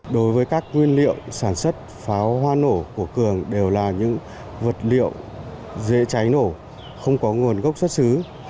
đối với các nguyên liệu sản xuất pháo hoa nổ của cường đều là những vật liệu dễ cháy nổ không có nguồn gốc xuất xứ